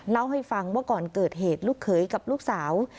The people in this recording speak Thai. เล่าให้ฟังว่าก่อนเกิดเหตุลูกเขยกับลูกสาว